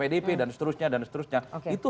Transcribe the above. pdp dan seterusnya dan seterusnya itu